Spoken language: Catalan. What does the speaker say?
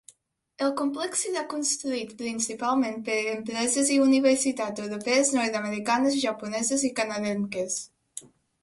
El complex serà construït principalment per empreses i universitats europees, nord-americanes, japoneses i canadenques.